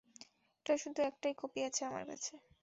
এটার শুধু একটাই কপি আছে আমার কাছে।